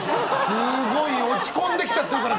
すごい落ち込んできちゃってるから！